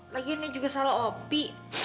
lagi ini juga salah opi